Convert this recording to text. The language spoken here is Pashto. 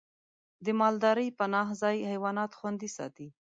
د مالدارۍ پناه ځای حیوانات خوندي ساتي.